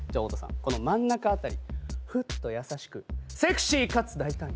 この真ん中辺りフッと優しくセクシーかつ大胆に。